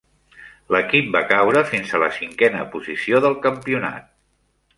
L'equip va caure fins a la cinquena posició del campionat.